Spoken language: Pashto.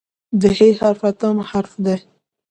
د "ح" حرف اتم حرف دی.